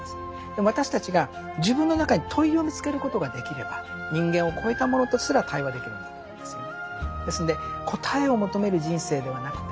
でも私たちが自分の中に「問い」を見つけることができれば人間を超えたものとすら対話できるんだと思うんですよね。